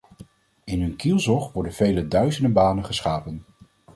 In hun kielzog worden vele duizenden banen geschapen.